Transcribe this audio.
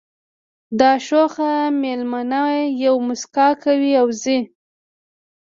دا شوخه مېلمنه یوه مسکا کوي او ځي